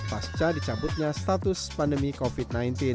pasca dicabutnya status pandemi covid sembilan belas